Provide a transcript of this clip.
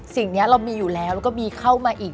สิ่งนี้เรามีอยู่แล้วแล้วก็มีเข้ามาอีก